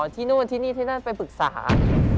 ที่นู่นที่นี่ที่นั่นไปปรึกษา